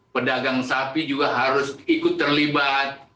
pedagang sapi juga harus ikut terlibat